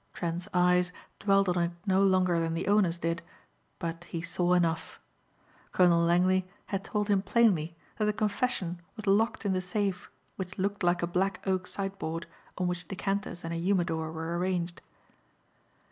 Trent's eyes dwelt on it no longer than the owner's did, but he saw enough. Colonel Langley had told him plainly that the confession was locked in the safe which looked like a black oak sideboard on which decanters and a humidor were arranged.